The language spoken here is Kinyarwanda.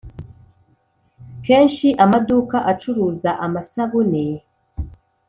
kenshi Amaduka acuruza amasabune.